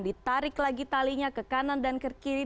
ditarik lagi talinya ke kanan dan ke kiri